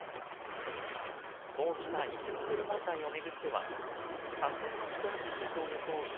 こうした偽ホテル問題を巡っては架空の宿泊施設を装い